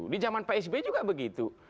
di zaman pak sby juga begitu